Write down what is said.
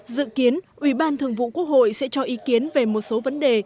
dự kiến ủy ban thường vụ quốc hội sẽ cho ý kiến về một số vấn đề